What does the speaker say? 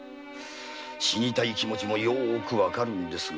死にたい気持ちもよくわかるんですが。